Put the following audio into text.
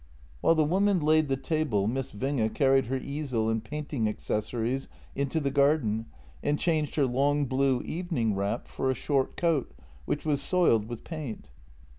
" While the woman laid the table Miss Winge carried her easel and painting accessories into the garden, and changed her long, blue evening wrap for a short coat, which was soiled with paint.